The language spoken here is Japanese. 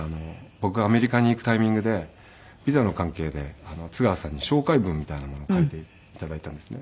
僕がアメリカに行くタイミングでビザの関係で津川さんに紹介文みたいなものを書いて頂いたんですね。